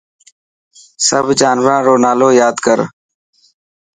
سڀ جانوران رو نالو ياد ڪر.